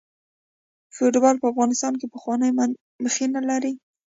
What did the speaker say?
فوټبال په افغانستان کې پخوانۍ مخینه لري.